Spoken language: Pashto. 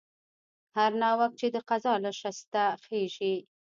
هر ناوک چې د قضا له شسته خېژي.